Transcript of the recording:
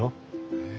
へえ。